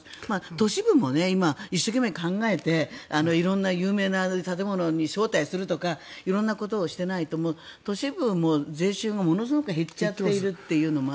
都市部も今、一生懸命考えて色んな有名な建物に招待するとか色んなことをしないと都市部も、税収もものすごく減っているというのもあり。